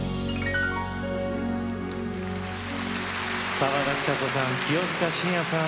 澤田知可子さん清塚信也さん